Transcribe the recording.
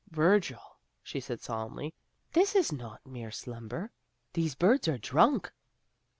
"Virgil," she said solemnly, "this is not mere slumber. These birds are drunk!"